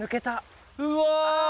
うわ！